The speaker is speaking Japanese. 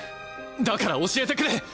だから教えてくれ！